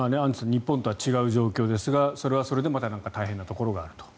日本とは違う状況ですがそれはそれでまた大変なところがあると。